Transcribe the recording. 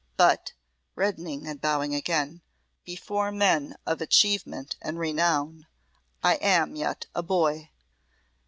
But," reddening and bowing again, "before men of achievement and renown, I am yet a boy."